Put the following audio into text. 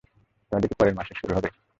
তাহলে কি পরের মাসে হবে গুরুজি?